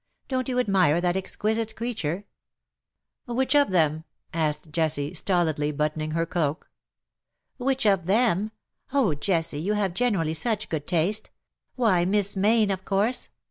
Don't you admire that exquisite creature T' '^ Which of them T' asked Jessie^ stolidly, buttoning her cloak. ^^ Which of them ! Oh, Jessie, you have gene rally such good taste. Why, Miss Mayne, of course.